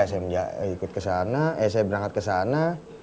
saya ikut kesana saya berangkat kesana